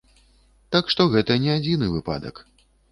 Так што гэта не адзіны выпадак.